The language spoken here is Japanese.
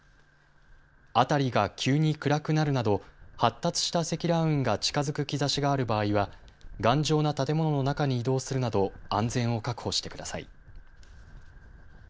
辺りが急に暗くなるなど発達した積乱雲が近づく兆しがある場合は頑丈な建物の中に移動するなど安全を確保してください。